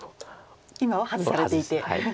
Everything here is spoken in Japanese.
今は外されていて。